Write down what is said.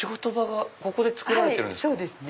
ここで作られてるんですか？